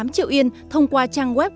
hai mươi tám triệu yên thông qua trang web